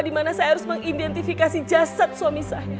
dimana saya harus mengidentifikasi jasad suami saya